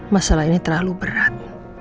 masalah ini terlalu berat